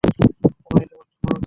মনেহয় তোমার থামা উচিত।